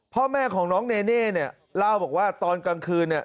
พ่อแม่ของน้องเนเน่เล่าว่าตอนกลางคืนน่ะ